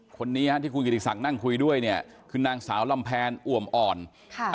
คนนี้ที่กูงิทธิสักร์นั่งคุยด้วยคือนางสาวลำเพลอว่ำอ่อน